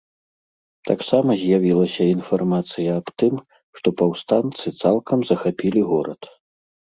Таксама з'явілася інфармацыя аб тым, што паўстанцы цалкам захапілі горад.